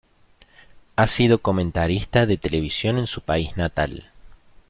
Ha sido comentarista de televisión en su país natal.